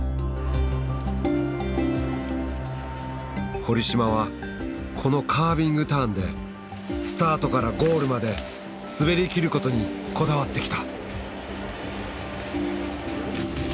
堀島はこのカービングターンでスタートからゴールまで滑りきることにこだわってきた。